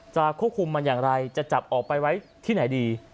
ควบคุมมันอย่างไรจะจับออกไปไว้ที่ไหนดี